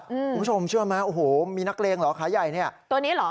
คุณผู้ชมเชื่อไหมโอ้โหมีนักเลงเหรอขาใหญ่เนี่ยตัวนี้เหรอ